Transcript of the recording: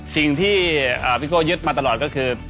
สิ่งที่พี่โก้ยึดมาตลอดก็คือ